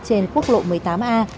trên quốc lộ một mươi tám a